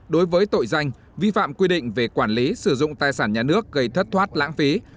đối với tội danh vi phạm quy định về quản lý sử dụng tài sản nhà nước gây thất thoát lãng phí